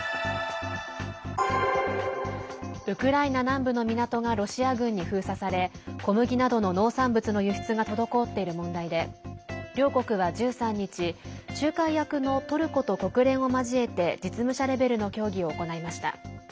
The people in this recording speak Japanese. ウクライナ南部の港がロシア軍に封鎖され小麦などの農産物の輸出が滞っている問題で両国は１３日仲介役のトルコと国連を交えて実務者レベルの協議を行いました。